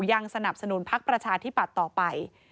ยังสนับสนุนพักประชาธิปัตย์ต่อไป